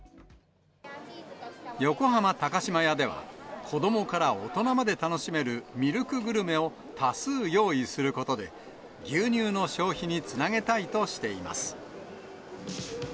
横浜高島屋では、子どもから大人まで楽しめるミルクグルメを多数用意することで、牛乳の消費につなげたいとしています。